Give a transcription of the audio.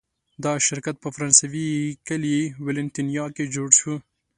دا شرکت په فرانسوي کلي ولانتینیه کې جوړ شو.